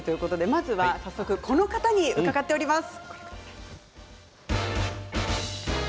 まずはこの方に伺っています。